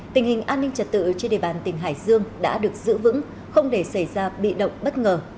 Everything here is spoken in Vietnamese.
tình hình an ninh trật tự trên địa bàn tỉnh hải dương đã được giữ vững không để xảy ra bị động bất ngờ